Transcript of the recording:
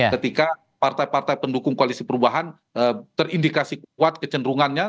ketika partai partai pendukung koalisi perubahan terindikasi kuat kecenderungannya